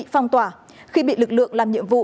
phong tỏa khi bị lực lượng làm nhiệm vụ